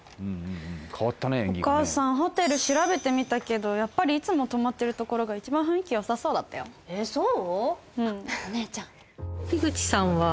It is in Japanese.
お母さんホテル調べてみたけどやっぱりいつも泊まってるところが一番雰囲気よさそうだったよえっそう？